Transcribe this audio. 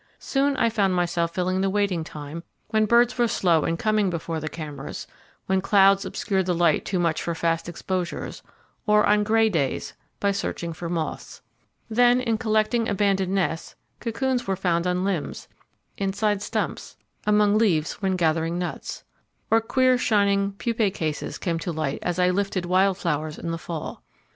Soon I found myself filling the waiting time, when birds were slow in coming before the cameras, when clouds obscured the light too much for fast exposures, or on grey days, by searching for moths. Then in collecting abandoned nests, cocoons were found on limbs, inside stumps, among leaves when gathering nuts, or queer shining pupae cases came to light as I lifted wild flowers in the fall.